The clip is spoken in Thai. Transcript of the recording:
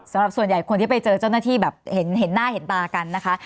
สำหรับส่วนใหญ่คนที่ไปเจอเจ้าหน้าที่แบบเห็นหน้าเห็นตากันนะคะ